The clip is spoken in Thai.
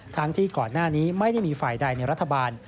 ทั้งที่ก่อนหน้านี้ไม่ได้มีฝ่ายใดในรัฐบาล